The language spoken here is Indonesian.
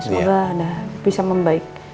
semoga ada bisa membaik